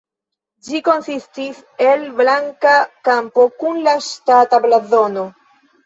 Ĝi konsistis el blanka kampo kun la ŝtata blazono.